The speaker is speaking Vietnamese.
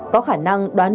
có khả năng đoán